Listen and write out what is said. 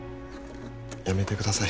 やめてください